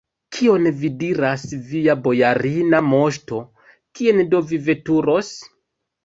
Kion vi diras, via bojarina moŝto, kien do vi veturos?